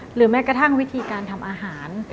หรือแม้กระทั่งวิธีการทำอาหาร